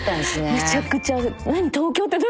めちゃくちゃ焦る。